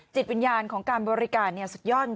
จิตวิญญาณของการบริการเนี่ยสุดยอดจริง